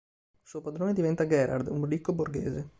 Suo padrone diventa Gerard, un ricco borghese.